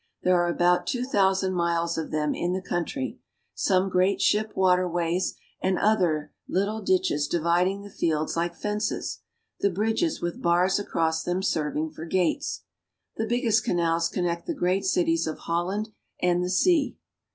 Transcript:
There are about two thousand miles of them in the country ; some great ship water ways, and others little ditches dividing the fields like fences, the bridges with bars across them serving for gates. The biggest canals con nect the great cities of Holland and the sea.